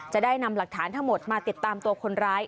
จะได้นำหลักฐานทั้งหมดมาติดตามตัวคนร้าย